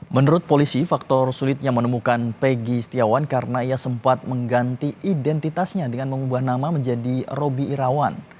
menurut polisi faktor sulitnya menemukan peggy setiawan karena ia sempat mengganti identitasnya dengan mengubah nama menjadi roby irawan